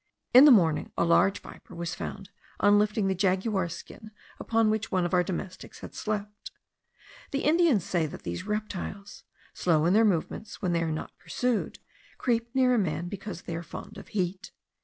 In the morning a large viper was found on lifting the jaguar skin upon which one of our domestics had slept. The Indians say that these reptiles, slow in their movements when they are not pursued, creep near a man because they are fond of heat.